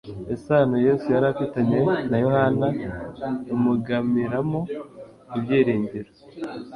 Isano Yesu yari afitanye na Yohana imugamramo ibyiringiro.